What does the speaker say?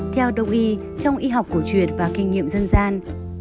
theo đông y trong y học cổ truyền và kinh nghiệm dân gian